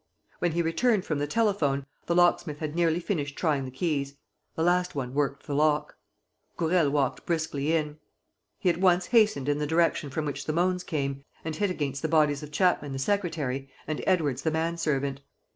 When he returned from the telephone, the locksmith had nearly finished trying the keys. The last worked the lock. Gourel walked briskly in. He at once hastened in the direction from which the moans came and hit against the bodies of Chapman the secretary, and Edwards the manservant.